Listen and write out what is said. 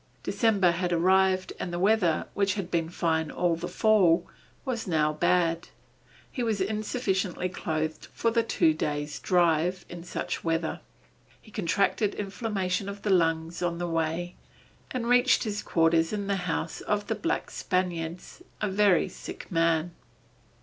December had arrived and the weather, which had been fine all the fall, was now bad. He was insufficiently clothed for the two days' drive in such weather. He contracted inflammation of the lungs on the way, and reached his quarters in the house of the Black Spaniards, a very sick man.